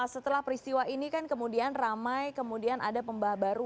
setelah peristiwa ini kan kemudian ramai kemudian ada pembaha baru